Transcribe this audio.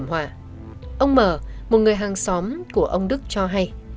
ông mở một người hàng xóm của ông đức cho hay